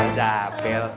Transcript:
eh ustazah bella